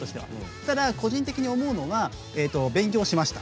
ただ、個人的に思うのが勉強しました。